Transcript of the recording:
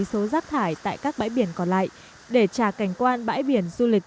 số rác thải tại các bãi biển còn lại để trả cảnh quan bãi biển du lịch